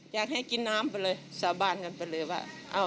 อยากให้กินน้ำไปเลยสาบานกันไปเลยว่า